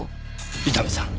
伊丹さん